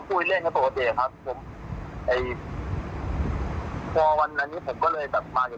อืมนะครับ